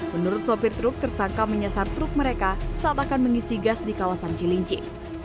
menurut sopir truk tersangka menyesat truk mereka saat akan mengisi gas di kawasan cilinci